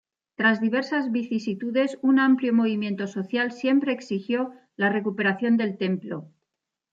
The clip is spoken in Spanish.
Tras diversas vicisitudes, un amplio movimiento social siempre exigió la recuperación del templo.